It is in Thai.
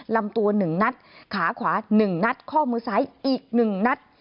ลำตัว๑นัดขาขวา๑นัดข้อมือซ้ายอีก๑นัด